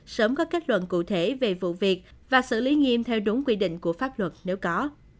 sớm có kết luận cụ thể về vụ việc và xử lý nghiêm theo đúng quy định của pháp luật nếu có